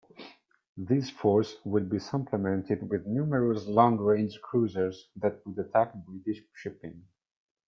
This force would be supplemented with numerous long-range cruisers that would attack British shipping.